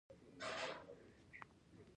د هاتي تر پښو لاندې اچول بله سزا وه.